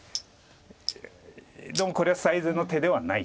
でもこれは最善の手ではない。